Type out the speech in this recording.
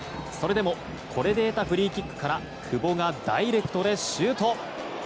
それでもこれで得たフリーキックから久保がダイレクトでシュート！